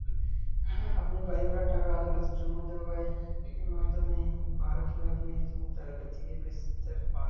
আপনি বাড়িভাড়ার টাকা আদালতে জমা দেওয়ার মাধ্যমে ভাড়াখেলাপির দায় থেকে বাঁচতে পারেন।